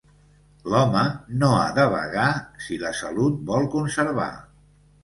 L'home no ha de vagar, si la salut vol conservar.